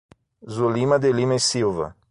Zulima de Lima E Silva